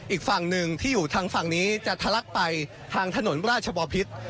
อีกฝั่งหนึ่งที่อยู่ทางฝั่งนี้จะทะลักไปทางถนนราชบอพิษ